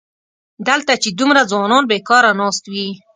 دلته چې دومره ځوانان بېکاره ناست وي.